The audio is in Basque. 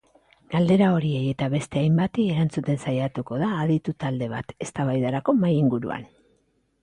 Galdera horiei eta beste hainbati erantzuten saiatuko da aditu talde bat eztabaidarako mahai-inguruan.